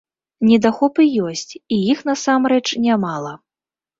Недахопы ёсць, і іх насамрэч нямала.